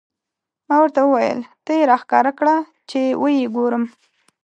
ما ورته وویل: ته یې را ښکاره کړه، چې و یې ګورم.